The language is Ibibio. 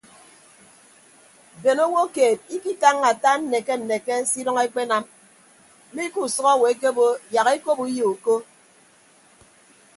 Bene owo keed ikitañña ata nneke nneke se idʌñ ekpenam mi ke usʌk owo ekebo yak ekop uyo uko.